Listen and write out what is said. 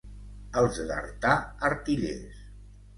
Els d'Artà, artillers.